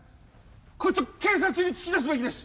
こいつを警察に突き出すべきです